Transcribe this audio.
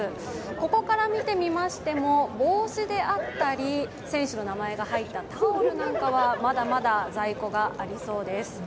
ここから見てみましても、帽子であったり、選手の名前が入ったタオルなんかは、まだまだ在庫がありそうです。